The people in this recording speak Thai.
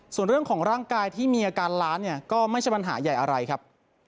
ส่วนเรื่องของร่างกายที่มีอาการล้านเนี่ยก็ไม่ใช่ปัญหาใหญ่อะไรครับ